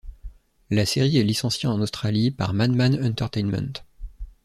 La série est licenciée en Australie par Madman Entertainment.